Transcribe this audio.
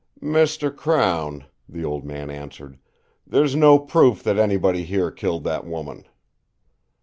"Mr. Crown," the old man answered, "there's no proof that anybody here killed that woman."